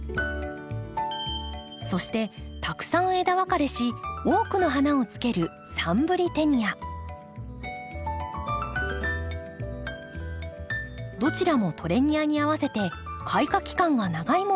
そしてたくさん枝分かれし多くの花をつけるどちらもトレニアに合わせて開花期間が長いものを選びました。